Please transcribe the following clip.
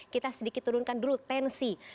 kita sedikit turunkan dulu tensi